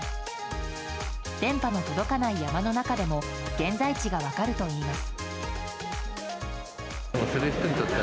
電波の届かない山の中でも現在地が分かるといいます。